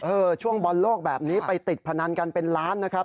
ช่วงบอลโลกแบบนี้ไปติดพนันกันเป็นล้านนะครับ